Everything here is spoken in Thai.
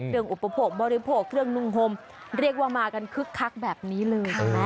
อุปโภคบริโภคเครื่องนุ่งโฮมเรียกว่ามากันคึกคักแบบนี้เลยเห็นไหม